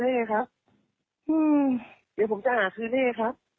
เดี๋ยวผมจะหาคืนให้ครับ